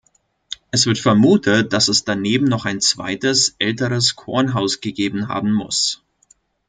Es wird vermutet, dass es daneben noch ein zweites, älteres Kornhaus gegeben haben muss.